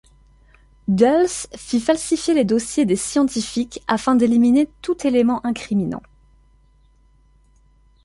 Dulles fit falsifier les dossiers des scientifiques afin d'éliminer tout élément incriminant.